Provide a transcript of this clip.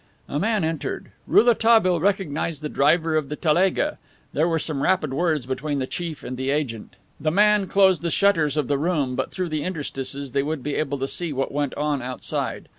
A man entered. Rouletabille recognized the driver of the telega. There were some rapid words between the Chief and the agent. The man closed the shutters of the room, but through the interstices they would be able to see what went on outside.